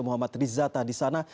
muhammad rizata di sana